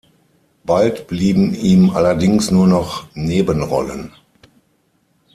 Bald blieben ihm allerdings nur noch Nebenrollen.